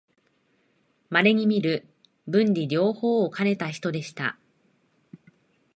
まれにみる文理両方をかねた人でした